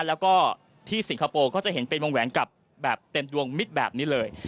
แล้วก็ที่สิงคโปร์ก็จะเห็นเป็นวงแหวนกลับแบบเต็มดวงมิตรแบบนี้เลย